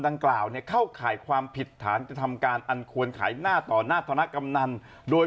ดังกล่าวเนี่ยเข้าข่ายความผิดฐานกระทำการอันควรขายหน้าต่อหน้าธนกำนันโดย